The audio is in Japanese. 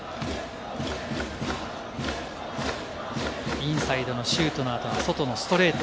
インサイドのシュートの後は外のストレート。